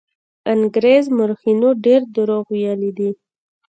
انګرېز مورخینو ډېر دروغ ویلي دي.